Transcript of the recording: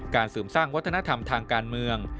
เสริมสร้างวัฒนธรรมทางการเมือง